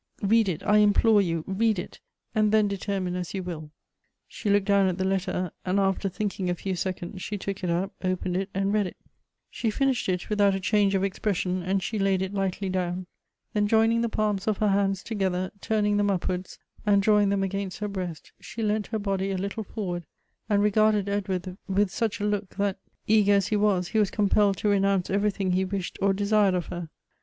Read it, I implore you — read it — and then determine as you will !" She looked down at the letter ; and after thinking a few seconds, she took it up, opened it, and read it : she 302 Goethe's finished it without a change of expression; and she laid it lightly down ; then joining the palms of her hands together, turning them upwards, and drawing them against her breast, she leant her body a little forward, and regarded Edward with such a look, that, eager as he was, he was compelled to renounce everytliing he wished or desired of her.